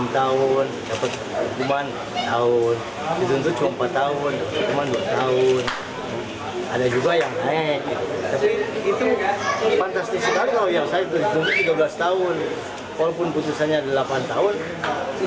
tapi itu fantastis sekali kalau yang saya tunjukkan tiga belas tahun